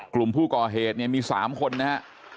กลุ่มผู้ก่อเหตุเนี่ยมี๓คนนะครับ